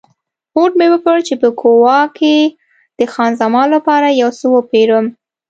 هوډ مې وکړ چې په کووا کې د خان زمان لپاره یو څه وپیرم.